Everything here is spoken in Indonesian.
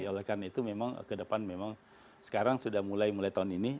oleh karena itu memang ke depan memang sekarang sudah mulai mulai tahun ini